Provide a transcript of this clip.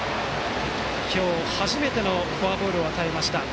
今日初めてのフォアボールを与えました。